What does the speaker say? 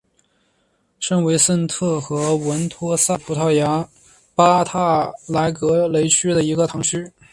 圣维森特和文托萨是葡萄牙波塔莱格雷区的一个堂区。